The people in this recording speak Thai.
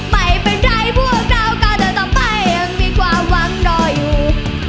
ไม่เป็นไรพวกเราก็เดินต่อไปยังมีความหวังรออยู่